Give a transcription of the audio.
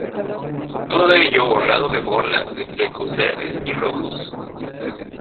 Todo ello orlado de borlas de flecos verdes y rojos.